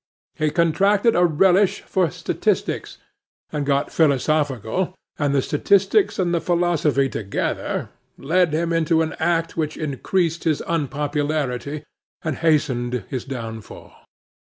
He contracted a relish for statistics, and got philosophical; and the statistics and the philosophy together, led him into an act which increased his unpopularity and hastened his downfall.